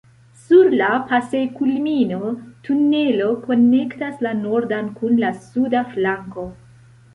Sur la pasejkulmino tunelo konektas la nordan kun la suda flanko.